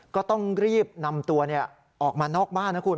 ก็ต้องรีบนำตัวออกมานอกบ้านนะคุณ